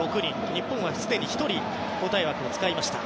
日本はすでに１人交代枠を使いました。